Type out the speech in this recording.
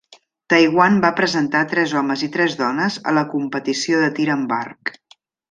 Taiwan va presentar tres homes i tres dones a la competició de tir amb arc.